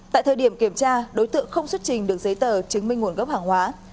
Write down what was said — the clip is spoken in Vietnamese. tại thời điểm kiểm tra đối tượng không xuất trình được giấy tờ chứng minh nguồn gốc hàng hóa